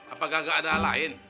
apakah nggak ada lain